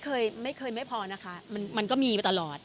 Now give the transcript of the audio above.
เคยไม่เคยไม่พอนะคะมันก็มีมาตลอด